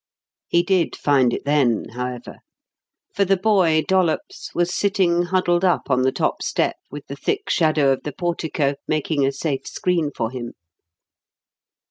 He did find it then, however; for the boy, Dollops, was sitting huddled up on the top step with the thick shadow of the portico making a safe screen for him.